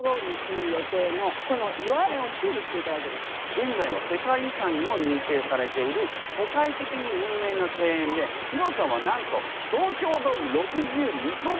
げんざいは世界遺産にも認定されている世界的に有名な庭園で広さはなんと東京ドーム６２こ分！